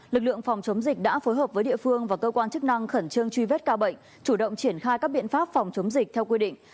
lực lượng phòng chống dịch đã phối hợp với địa phương và cơ quan chức năng khẩn trương truy vết ca bệnh chủ động triển khai các biện pháp phòng chống dịch theo quy định